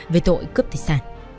về tội cướp tài sản